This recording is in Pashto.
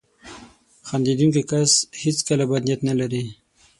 • خندېدونکی کس هیڅکله بد نیت نه لري.